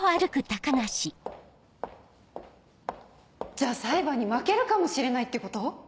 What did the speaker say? じゃあ裁判に負けるかもしれないってこと？